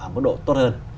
mức độ tốt hơn